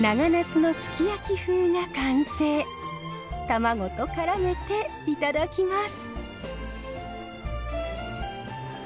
卵とからめていただきます。